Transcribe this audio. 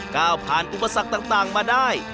ก้าวผ่านอุปสรรคต่างมาได้